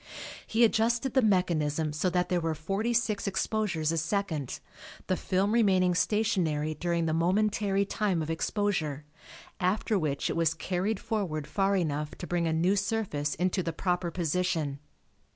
He adjusted the mechanism so that there were 46 exposures a second, the film remaining stationary during the momentary time of exposure, after which it was carried forward far enough to bring a new surface into the proper position.